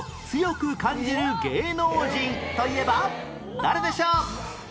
誰でしょう？